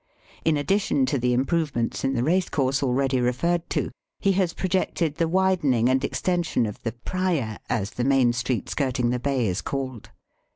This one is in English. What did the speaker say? In addition to the improvements in the racecourse ahready referred to, he has projected the widening and* extension of the Praya, as the main street skirting the bay is called.